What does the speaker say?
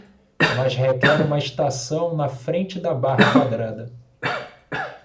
Mas requer uma estação na frente da barra quadrada.